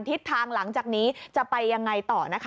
ทิศทางหลังจากนี้จะไปยังไงต่อนะคะ